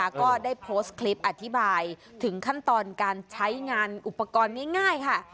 ก็ได้โพสต์คลิปอธิบายถึงขั้นตอนการใช้งานอุปกรณ์ง่ายค่ะ